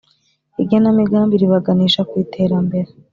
igenamigambi ribaganisha ku iterambere.